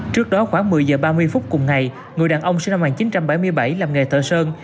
trước đó khoảng một mươi giờ ba mươi phút cùng ngày người đàn ông sinh năm một nghìn chín trăm bảy mươi bảy làm nghề thợ sơn